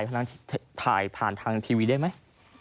ผมถ่ายผ่านทางทีวีได้ไหม